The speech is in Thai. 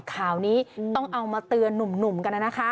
ข่าวนี้ต้องเอามาเตือนหนุ่มกันนะคะ